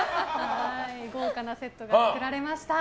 豪華なセットが作られました。